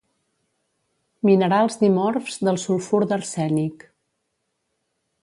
Minerals dimorfs del sulfur d'arsènic.